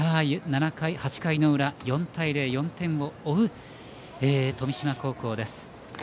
８回の裏４対０、４点を追う富島高校です。